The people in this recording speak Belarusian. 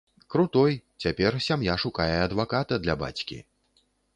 Крутой, цяпер сям'я шукае адваката для бацькі.